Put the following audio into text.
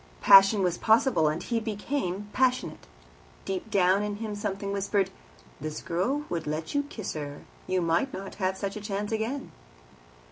Passion was possible, and he became passionate. Deep down in him something whispered, "This girl would let you kiss her; you might not have such a chance again."